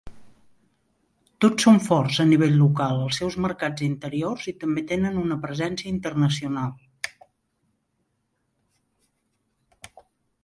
Tots són forts a nivell local als seus mercats interiors i també tenen una presència internacional.